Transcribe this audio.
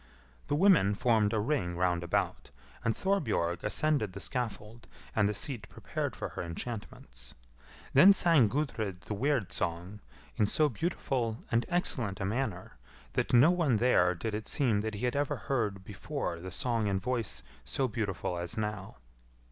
The women formed a ring round about, and Thorbjorg ascended the scaffold and the seat prepared for her enchantments. Then sang Gudrid the weird song in so beautiful and excellent a manner, that to no one there did it seem that he had ever before heard the song in voice so beautiful as now.